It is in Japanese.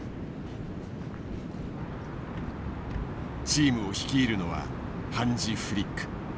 チームを率いるのはハンジ・フリック。